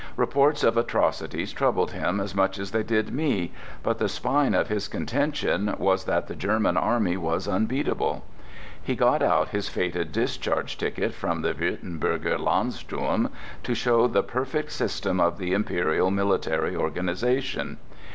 Reports of atrocities troubled him as much as they did me; but the spine of his contention was that the German army was unbeatable. He got out his faded discharge ticket from the Würtemberger Landsturm to show the perfect system of the Imperial military organization.